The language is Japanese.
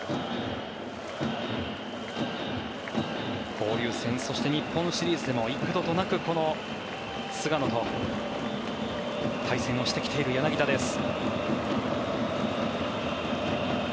交流戦、そして日本シリーズでも幾度となくこの菅野と対戦をしてきている柳田です。